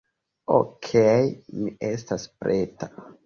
Okej, mi estas preta